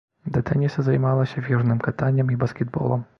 Да тэніса займалася фігурным катаннем і баскетболам.